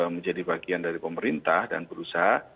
menjadi bagian dari pemerintah dan berusaha